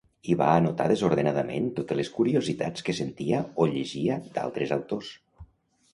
Hi va anotar desordenadament totes les curiositats que sentia o llegia d'altres autors.